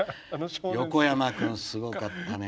横山くんすごかったね。